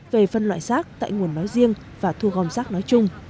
về phân loại rac tại nguồn nói riêng và thu gom rac nói chung